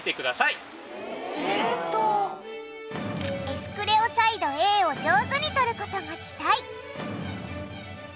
エスクレオサイドＡを上手にとる事が期待。